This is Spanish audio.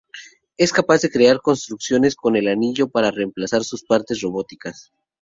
Es capaz de crear construcciones con el Anillo para reemplazar sus partes robóticas.